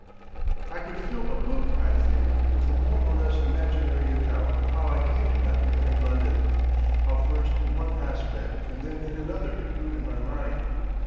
I could fill a book, I think, with a more or less imaginary account of how I came to apprehend London, how first in one aspect and then in another it grew in my mind.